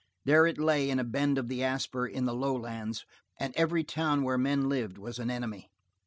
There it lay in a bend of the Asper in the low lands, and every town where men lived was an enemy.